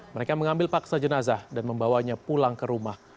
mereka mengambil paksa jenazah dan membawanya pulang ke rumah